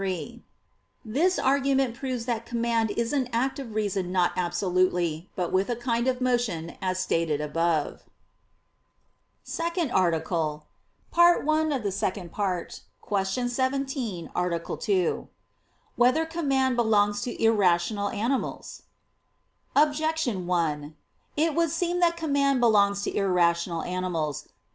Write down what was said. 3: This argument proves that command is an act of reason not absolutely, but with a kind of motion as stated above. ________________________ SECOND ARTICLE [I II, Q. 17, Art. 2] Whether Command Belongs to Irrational Animals? Objection 1: It would seem that command belongs to irrational animals.